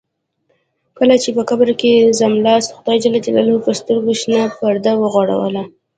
کله چې په قبر کې څملاست خدای جل جلاله پر سترګو شنه پرده وغوړوله.